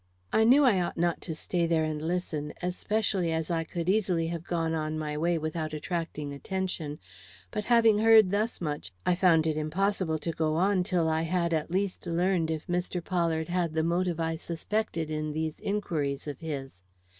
I knew I ought not to stay there and listen, especially as I could easily have gone on my way without attracting attention; but having heard thus much, I found it impossible to go on till I had at least learned if Mr. Pollard had the motive I suspected in these inquiries of his.